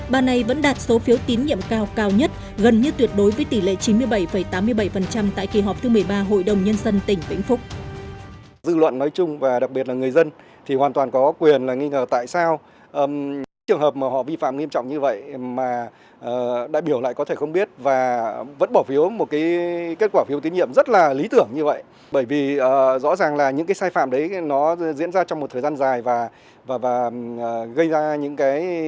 bà này vẫn đạt số phiếu tín nhiệm cao cao nhất gần như tuyệt đối với tỷ lệ chín mươi bảy tám mươi bảy tại kỳ họp thứ một mươi ba hội đồng nhân dân tỉnh vĩnh phúc